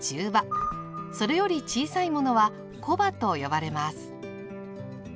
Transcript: それより小さいものは「小羽」と呼ばれます。